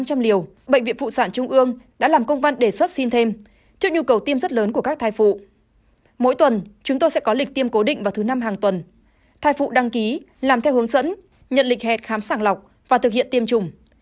thai phụ đăng ký làm theo hướng dẫn nhận lịch hẹt khám sàng lọc và thực hiện tiêm chủng